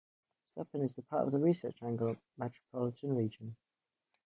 Zebulon is part of the Research Triangle metropolitan region.